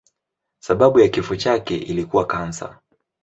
Sababu ya kifo chake ilikuwa kansa.